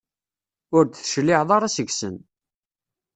Ur d-tecliɛeḍ ara seg-sen.